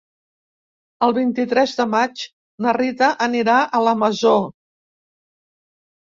El vint-i-tres de maig na Rita anirà a la Masó.